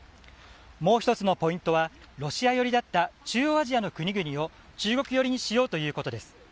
もう１つのポイントはロシア寄りだった中央アジアの国々を中国寄りにしようということです。